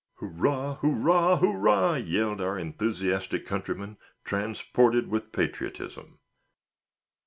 "Hurrah! hurrah! hurrah!" yelled our enthusiastic countryman, transported with patriotism.